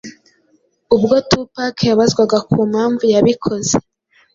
Ubwo Tupac yabazwaga ku mpamvu yabikoze